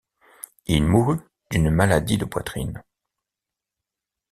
Il mourut d’une maladie de poitrine.